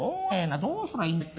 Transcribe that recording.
どうすりゃいいんだよ